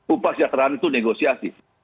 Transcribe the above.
upah kesejahteraan itu negosiasi